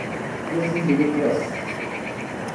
This is ludicrous.